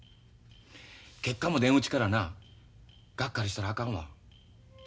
結果も出んうちからながっかりしたらあかんわ。